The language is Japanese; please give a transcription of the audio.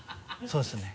そうですね。